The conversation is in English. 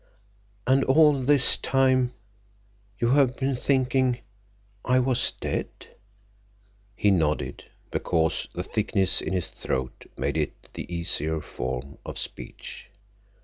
"And all this time—you have been thinking—I was dead?" He nodded, because the thickness in his throat made it the easier form of speech.